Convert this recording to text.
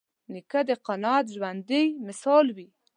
نیکه د قناعت ژوندي مثال وي.